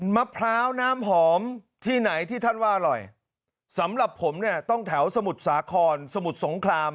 มะพร้าวน้ำหอมที่ไหนที่ท่านว่าอร่อยสำหรับผมเนี่ยต้องแถวสมุทรสาครสมุทรสงคราม